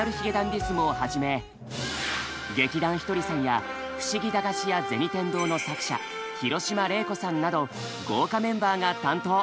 ｄｉｓｍをはじめ劇団ひとりさんや「ふしぎ駄菓子屋銭天堂」の作者廣嶋玲子さんなど豪華メンバーが担当。